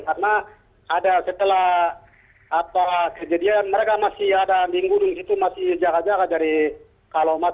karena ada setelah kejadian mereka masih ada di gunung itu masih jauh jauh dari kalomatrat